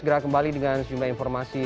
segera kembali dengan sejumlah informasi